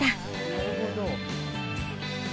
なるほど。